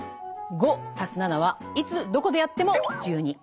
５＋７はいつどこでやっても１２。